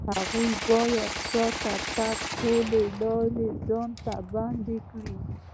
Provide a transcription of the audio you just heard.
هغوی بايد د شاته تګ ټولې لارې ځان ته بندې کړي.